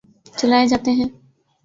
جلائے جاتے ہیں